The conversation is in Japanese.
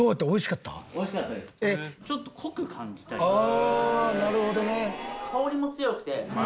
ああなるほどね。